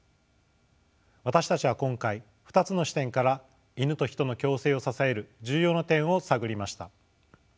私たちは今回２つの視点からイヌとヒトの共生を支える重要な点を探りました。